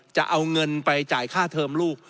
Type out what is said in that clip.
จะเอาเงินไปจ่ายค่าเทอมลูก